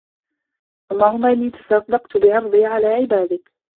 اللَّهُمَّ إنِّي تَصَدَّقْتُ بِعِرْضِي عَلَى عِبَادِك